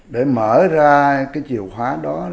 để mở ra cái chiều khóa đó